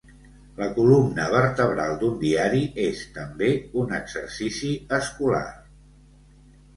La columna vertebral d'un diari és, també, un exercici escolar.